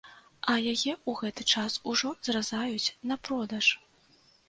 А яе ў гэты час ужо зразаюць на продаж!